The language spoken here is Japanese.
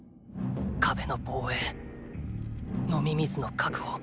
壁の防衛飲み水の確保